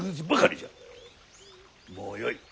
もうよい。